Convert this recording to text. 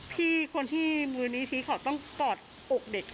ที่คนที่มือนี้ที่เขาต้องกอดอกเด็ก